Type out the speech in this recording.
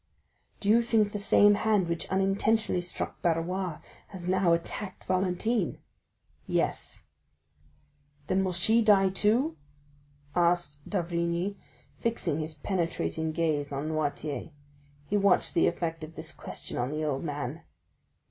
"Do you think the same hand which unintentionally struck Barrois has now attacked Valentine?" "Yes." "Then will she die too?" asked d'Avrigny, fixing his penetrating gaze on Noirtier. He watched the effect of this question on the old man.